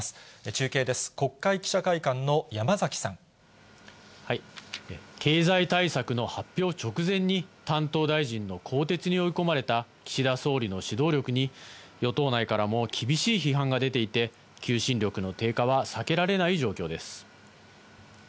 中継です、経済対策の発表直前に、担当大臣の更迭に追い込まれた岸田総理の指導力に、与党内からも厳しい批判が出ていて、求心力の低下は避けられない状況です。